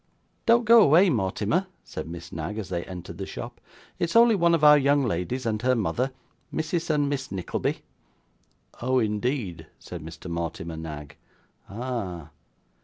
'Don't go away, Mortimer,' said Miss Knag as they entered the shop. 'It's only one of our young ladies and her mother. Mrs. and Miss Nickleby.' 'Oh, indeed!' said Mr. Mortimer Knag. 'Ah!